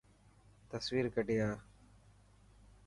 تصوير ڪڌي آءِ.